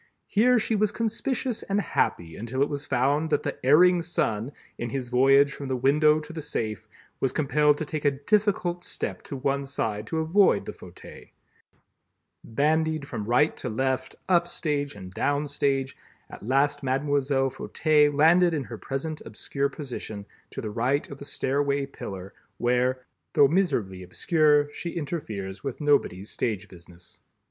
Here she was conspicuous and happy until it was found that the Erring Son in his voyage from the window to the safe, was compelled to take a difficult step to one side to avoid the fauteuil. Bandied from right to left, up stage and down stage, at last Mlle. Fauteuil landed in her present obscure position, to the right of the stairway pillar, where, though miserably obscure, she interferes with nobody's stage business.